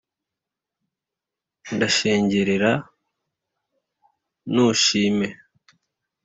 Ndashengerera ntushime